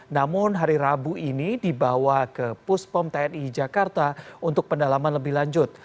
namun hari rabu ini dibawa ke puspom tni jakarta untuk pendalaman lebih lanjut